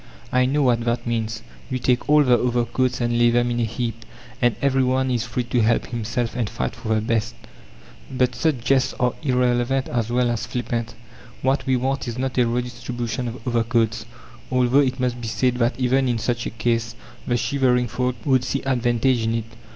I know what that means. You take all the overcoats and lay them in a heap, and every one is free to help himself and fight for the best." But such jests are irrelevant as well as flippant. What we want is not a redistribution of overcoats, although it must be said that even in such a case, the shivering folk would see advantage in it.